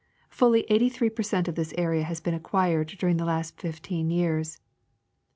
Fully 83 per cent, of this area has been acquired during the past fifteen years.